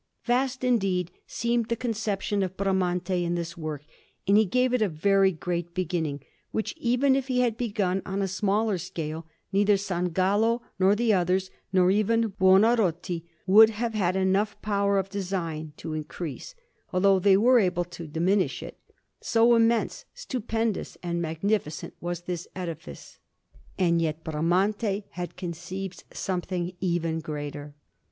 Vast, indeed, seemed the conception of Bramante in this work, and he gave it a very great beginning, which, even if he had begun on a smaller scale, neither San Gallo nor the others, nor even Buonarroti, would have had enough power of design to increase, although they were able to diminish it; so immense, stupendous, and magnificent was this edifice, and yet Bramante had conceived something even greater.